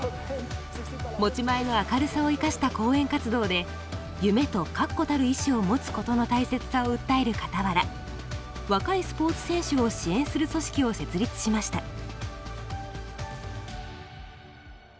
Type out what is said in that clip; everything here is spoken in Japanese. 持ち前の明るさを生かした講演活動で夢と確固たる意思を持つことの大切さを訴えるかたわら若いスポーツ選手を支援する組織を設立しました。